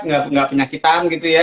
nggak penyakitan gitu ya